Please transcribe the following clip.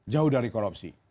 jauh dari korupsi